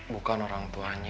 bukan orang tuanya